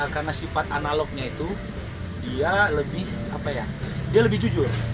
karena sifat analognya itu dia lebih jujur